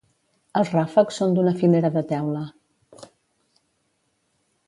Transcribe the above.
Els ràfecs són d'una filera de teula.